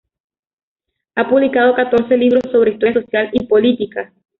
Ha publicado catorce libros sobre historia social y política.